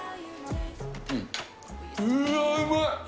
うわー、うまい。